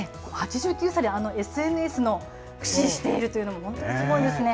８９歳であのＳＮＳを駆使しているというのも本当にすごいですね。